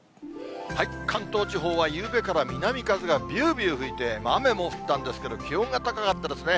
関東地方はゆうべから南風がびゅーびゅー吹いて、雨も降ったんですけど、気温が高かったですね。